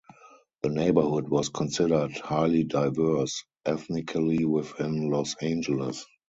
The neighborhood was considered "highly diverse" ethnically within Los Angeles.